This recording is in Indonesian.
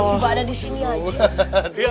tiba tiba ada disini aja